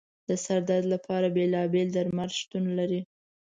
د سر درد لپاره بېلابېل درمل شتون لري.